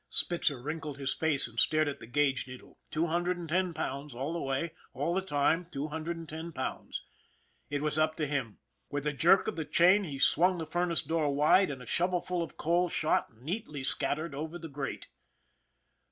Spitzer wrinkled his face and stared at the gauge needle two hundred and ten pounds, all the way, all the time two hundred and ten pounds. It was up to him. With a jerk of the chain, he swung the furnace door wide and a shovelful of coal shot, neatly scat tered, over the grate.